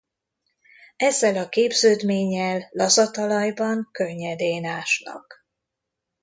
Ezzel a képződménnyel laza talajban könnyedén ásnak.